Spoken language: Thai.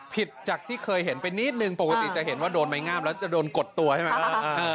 ผิดจากที่เคยเห็นไปนิดนึงปกติจะเห็นว่าโดนไม้งามแล้วจะโดนกดตัวใช่ไหม